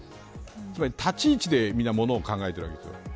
つまり立ち位置でみんなものを考えているんですよ。